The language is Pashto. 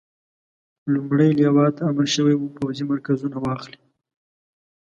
لومړۍ لواء ته امر شوی وو پوځي مرکزونه واخلي.